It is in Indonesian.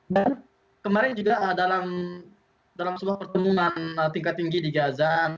dan kemarin juga dalam sebuah pertemuan tingkat tinggi di gaza